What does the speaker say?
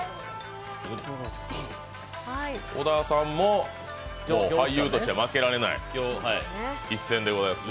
小田さんも俳優として負けられない一戦です。